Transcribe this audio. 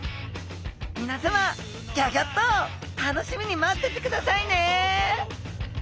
みなさまギョギョッと楽しみに待っててくださいね！